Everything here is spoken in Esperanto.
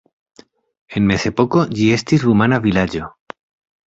En mezepoko ĝi estis rumana vilaĝo.